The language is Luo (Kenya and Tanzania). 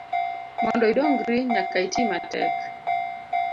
Mondo idongri nyaka itimatek.